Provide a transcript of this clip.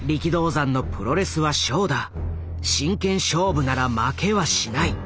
真剣勝負なら負けはしない！